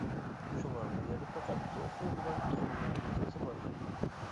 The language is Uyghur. شۇڭا بۇ يەردە پەقەت توخۇ بىلەن تۇخۇمنىڭ مەسىلىسى بار.